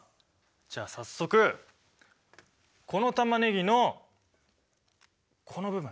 じゃあ早速このタマネギのこの部分。